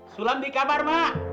sulang di kamar mak